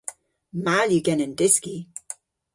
Mall yw genen dyski.